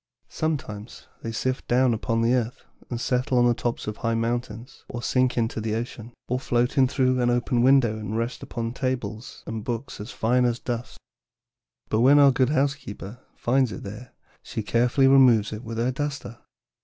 Sometimes they sift down upon the earth and settle on the tops of high mountains, or sink into the ocean, or float in through an open window and rest upon tables and books as fine dust. But when our good housekeeper finds it there she carefully removes it with her duster.